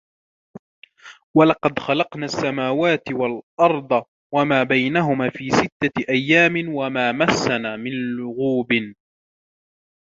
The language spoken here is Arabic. وَلَقَدْ خَلَقْنَا السَّمَاوَاتِ وَالْأَرْضَ وَمَا بَيْنَهُمَا فِي سِتَّةِ أَيَّامٍ وَمَا مَسَّنَا مِنْ لُغُوبٍ